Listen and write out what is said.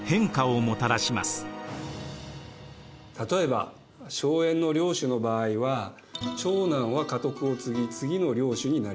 例えば荘園の領主の場合は長男は家督を継ぎ次の領主になります。